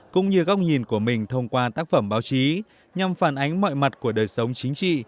cũng như góc nhìn của mình thông qua tác phẩm báo chí nhằm phản ánh mọi mặt của đời sống chính trị